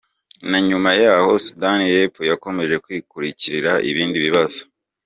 Na nyuma yaho Sudan y’Epfo yakomeje kwikururira ibindi bibazo.